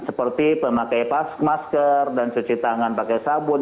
seperti pemakai masker dan cuci tangan pakai sabun